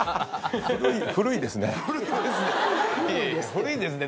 「古いですね」